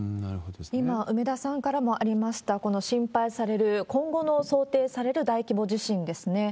今、梅田さんからもありました、この心配される、今後の想定される大規模地震ですね。